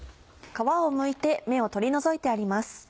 皮をむいて芽を取り除いてあります。